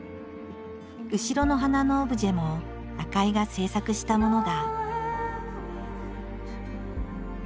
後ろの花のオブジェも赤井が制作したものだ。